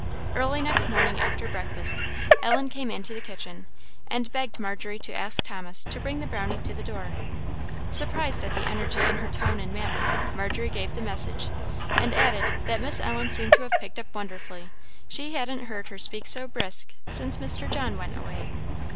Early next morning, after breakfast, Ellen came into the kitchen, and begged Margery to ask Thomas to bring the Brownie to the door. Surprised at the energy in her tone and manner, Margery gave the message, and added, that Miss Ellen seemed to have picked up wonderfully; she hadn't heard her speak so brisk since Mr. John went away.